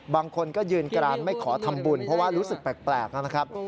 บางคนก็ยืนกรานไม่ขอทำบุญเพราะว่ารู้สึกแปลกนะครับ